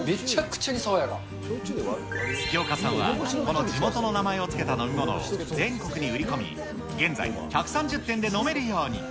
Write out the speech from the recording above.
月岡さんは、この地元の名前を付けた飲み物を全国に売り込み、現在１３０店で飲めるように。